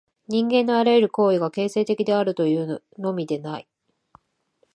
人間のあらゆる行為が形成的であるというのみでない。